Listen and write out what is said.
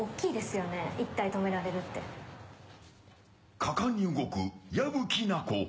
果敢に動く矢吹奈子。